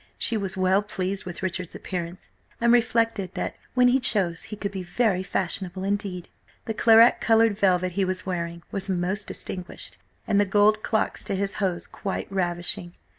She was well pleased with Richard's appearance, and reflected that, when he chose, he could be very fashionable indeed. The claret coloured velvet he was wearing was most distinguished, and the gold clocks to his hose quite ravishing.